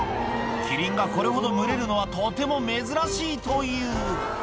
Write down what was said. キリンがこれほど群れるのは、とても珍しいという。